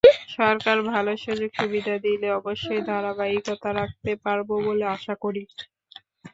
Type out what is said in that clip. সরকার ভালো সুযোগ-সুবিধা দিলে অবশ্যই ধারাবাহিকতা রাখতে পারব বলে আশা করি।